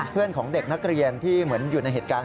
เพื่อนของเด็กนักเรียนที่เหมือนอยู่ในเหตุการณ์